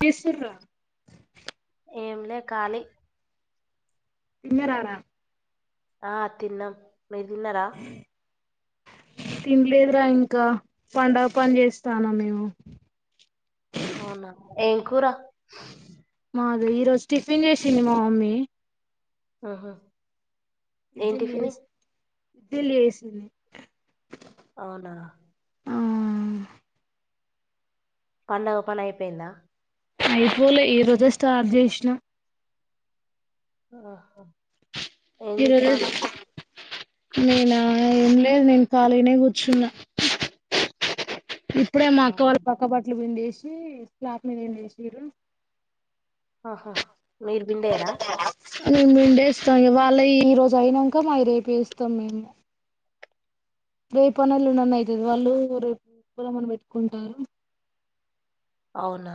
తీసుకోన్ర్ర ఏం లే కాలి. తిన్నరారా. ఆహ్ తిన్నం. మీరు తిన్నారా. తిన్లేదురా ఇంకా. పండగ పని చేస్తానం మేము. అవునా. ఏం కూర మాది ఈ రోజు టిఫిన్ చేసింది. మా మమ్మీ ఆహ్ హా! ఏం టిఫిని. ఇద్లీల్ చేసింది. అవునా. ఆ పండగ పని అయిపోయిందా. అయిపోలే ఈ రోజే స్టార్ట్ చేసిన్నాం. ఆహ్ హా ఏం ఈ రోజే చెత్తనవ్ నేనా ఏం లేదు నేను ఖాళీనే కూర్చున్నా. ఇప్పుడే మా అక్క అవునా వాళ్ళ పక్క బట్టలు పిండే. సి స్లప్ మీదెండేషిరు. ఆహా మీర్ బిండేయరా. మేం పిండేస్తాం. ఇగా వాళ్ళ ఈ రోజు అయిన్నాంక మా రేపు ఏస్తాం మేము. రేపన్న ఏలుండన్న అయితది. వాళ్ళు రేప్ ఉప్పలమని పెట్టుకుంటారు. అవునా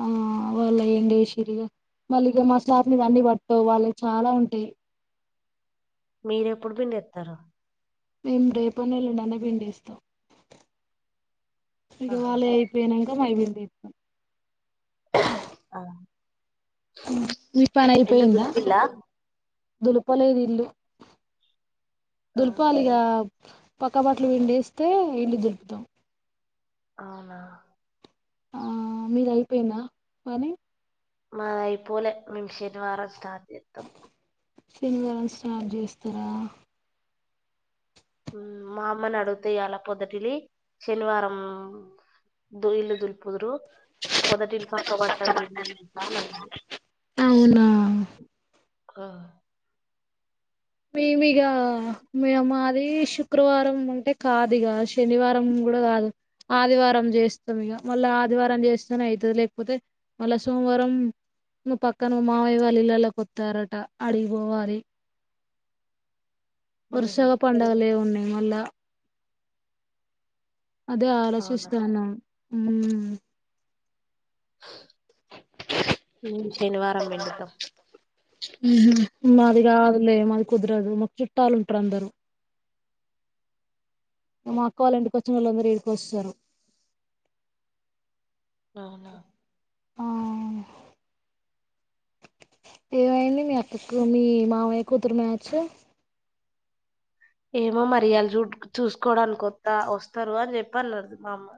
ఆహ్ వాళ్ళ ఏంగేసిరిగా. మళ్ళీ ఇగ మా స్లప్ మీద అన్ని పట్టవ్ వాళ్ళ చాలా ఉంటాయి. మీరెప్పుడు బిండి ఏత్తరు. మేము రేపన్న ఎల్లుండన్న పిడేస్తాం. ఇగ ఆహా వాళ్ళ అయిపోయినై. అై వెంది [unintelligible] ఆ మీ పని ఇల్లు అయిపోయిందా దులిపిల్లా దులుపలేదిల్లు ఆ దుల్పాలిగా పక్క బట్లు పిండేస్తే ఇల్లు దులుపుతాం అవునా ఆ మీది అయిపోయిందా పనీ మాదయిపోలే మేం శనివారం స్టార్ట్ జేతం శనివారం స్టార్ట్ చేస్తరా మా అమ్మని అడుగుతా ఇయాల పొద్దటిలి శనివారం దు ఇల్లు దులుపుదురు పొదటిల్ పక్కబట్టలు [inaudible] వెళ్ళ వింటాలు అలా అవునా ఆ మేమిక మేము అది శుక్రవారం అంటే కాదు ఇక శనివారం కూడా కాదు ఆదివారం చేస్తాం ఇక మళ్ళా ఆదివారం చేస్తనే అయితది లేకపోతే మళ్ళా సోమవారం ఇక పక్క మామయ్యా వాళ్ళ ఇళ్లలోకి వస్తారట ఆడికి పోవాలి ఉహు వరుసగా పండుగలే ఉన్నాయి న [unintelligible] అదే అవునా ఆలోచిస్తున్నాం హ [inaudible] అ [inaudible] శనివారం పిండుతం ఉ హ్ మది రాదులే మది కుదరదు మాకు చుట్టాలు ఉంటారు అందరు మా అక్క వాల్లింటికి వచ్చినోళ్ళందరు ఈడకి వస్తరు అవునా ఆ ఏమయింది మీ అక్కకు మీ మామయ్య కూతురు మ్యాచ్ ఏమో మరి ఇయాల చూడ్ చూసుకోవడానికి వత్తా వస్తారు అని చెప్పి అన్నరు మా అమ్మ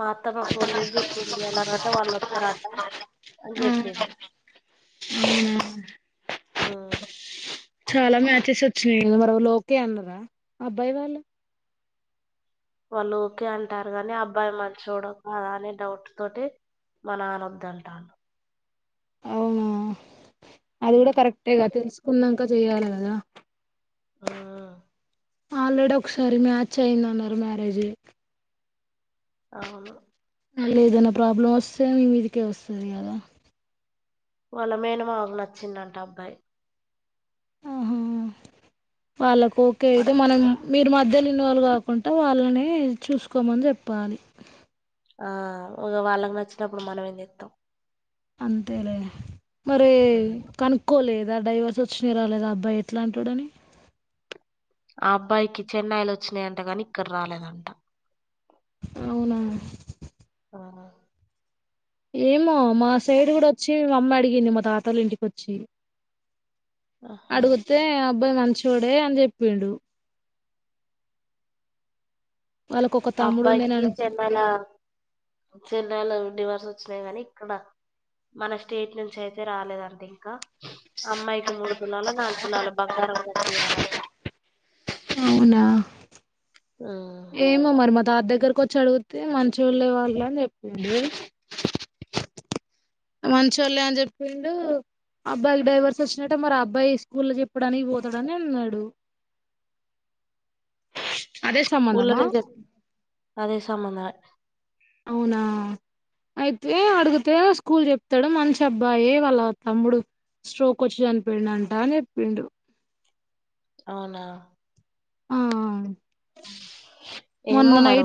మా అత్తమ్మ ఫోన్ చేసి చెప్పింది ఇయాలనట వాళ్ళు వస్తరట అని ఆ చెప్పింది అవునా ఆ చాలా మ్యాచెస్ మరి వాళ్ళు ఓకే అన్నరా అబ్బాయి వాళ్ళు వాళ్ళు ఓకే అంటారు కానీ అబ్బాయి మంచోడా కాదా అని డౌట్ తోటి మా నాన్న వద్దు అంటాండు అవునా అది ఉమ్ కూడా కరెక్టేగా తెలుసుకున్నా ఇక్క [unintelligible] చెయ్యాలి కదా ఆ ఆల్రెడీ ఒకసారి మ్యాచ్ అయిమ్దన్నారు మ్యారేజ్ అవును అ ఏదైనా ప్రాబ్లం వస్తే మీ మీదికే వస్తది కదా వాళ్ళ మేన మాగు నచ్చిందంట అబ్బాయి ఆహో వాళ్ళకు ఓకే మరి ఇదో మనం మీరు మధ్యలో ఇన్వాల్వ్ కాకుండా వాళ్ళని చూసుకోమని చెప్పాలి ఆ ఒక వాళ్ళకి నచ్చినప్పుడు మనమేం జేతం అంతేలే మరి కనుక్కోలే ఏదా డ్రైవర్స్ వచ్చినాయి రాలేదా అబ్బాయి ఎట్లాంటాడని ఆ అబ్బాయికి చెన్నైలు వచ్చినాయంటగాని ఇక్కడ రాలేదంట అవునా ఆహా ఏమో మా సైడ్ కూడా వచ్చి అమ్మ అడిగింది మా తాతలు ఇంటికొచ్చి ఆహా అడుగుతే అ అబ్బాయి మంచిడే అని చెప్పిండు వాళ్ళకు ఒక తమ్ముడు అబ్బాయికి ఉండేనని చెన్నైల చెన్నైల ఉండివా వచ్చినాయి కాని ఇక్కడ మన స్టేట్ నుంచి అయితే రాలేదంటే ఇంకా అమ్మాయికి మూడు తులాలు నాలుగు తులాలు బంగారం గటీయాలంట అవునా ఏమ అ మర్మదార్ దగ్గర కొ వచ్చి అడిగితే మంచోళ్ళే వాళ్ళు అని చెప్పండు మంచి వాళ్ళే అని చెప్పిండు అబ్బాయికి డైవర్స్ వచ్చినట్టటు మరి అబ్బాయి స్కూల్ చెప్పడానికి ఓతడని అన్నాడు అదే సంబంధమా అదే సంబంధం మే అవునా అయితే అడిగితే స్కూల్ చెప్తాడు మనిషి అబ్బాయి వాళ్ళ తమ్ముడు స్ట్రోక్ వచ్చి చనిపోడు అంట అని చెప్పిండు అవునా ఆ మొన్న ఏమ మర నైట్